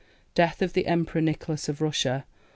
Death of the Emperor Nicholas of Russia.